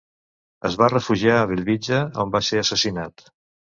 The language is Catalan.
Es va refugiar a Bellvitge on va ser assassinat.